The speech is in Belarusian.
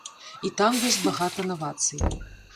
І там ёсць багата навацый.